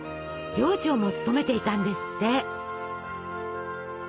寮長も務めていたんですって。